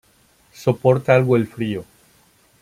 Soporta algo el frío.